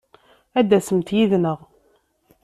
Ad d-tasemt yid-neɣ!